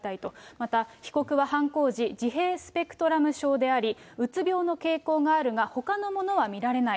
また、被告は犯行時、自閉スペクトラム症であり、うつ病の傾向があるが、ほかのものは見られない。